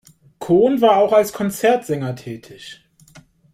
Kohn war auch als Konzertsänger tätig.